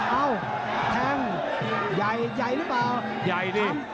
เอ้าแทงใหญ่ใหญ่หรือเปล่าใหญ่ดิ